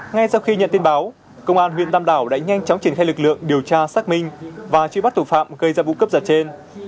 ngay sau khi nhận tin báo công an huyện tam đảo đã nhanh chóng triển khai lực lượng điều tra xác minh và truy bắt thủ phạm gây ra vụ cướp giật trên